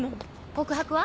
告白は？